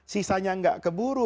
sisanya tidak keburu